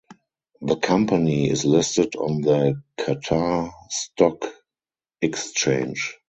The company is listed on the Qatar Stock Exchange.